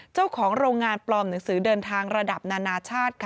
เจ้าของโรงงานปลอมหนังสือเดินทางระดับนานาชาติ